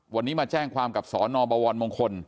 วันนี้มาแจ้งความกับสนบม